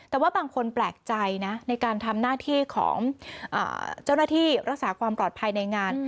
แต่ว่าบางคนแปลกใจนะในการทำหน้าที่ของเจ้าหน้าที่รักษาความปลอดภัยในงาน